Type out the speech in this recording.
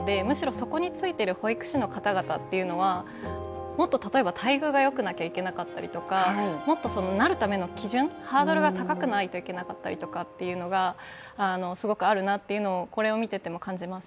そこについている保育士の方々というのはもっと例えば待遇がよくなきゃいけなかったりとか、もっとなるための基準、ハードルが高くないといけないとかすごくあるなというのを、これを見ていても感じます。